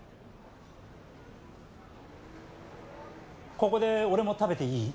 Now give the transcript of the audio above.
ここで俺も食べていい？